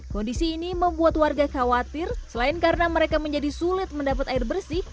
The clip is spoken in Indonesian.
kondisi ini membuat warga khawatir selain karena mereka menjadi sulit mendapat air bersih